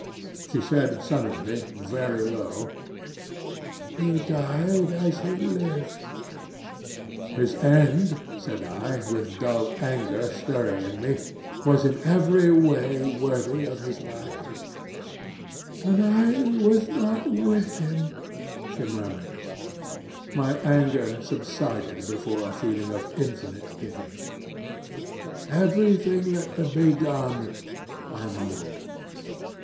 She said suddenly very low, 'He died as he lived.' "'His end,' said I, with dull anger stirring in me, 'was in every way worthy of his life.' "'And I was not with him,' she murmured. My anger subsided before a feeling of infinite pity. "'Everything that could be done ' I mumbled.